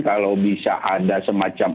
kalau bisa ada semacam